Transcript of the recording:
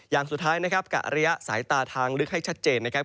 อย่างสุดท้ายนะครับกะระยะสายตาทางลึกให้ชัดเจนนะครับ